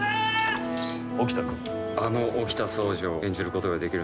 あの沖田総司を演じることができる。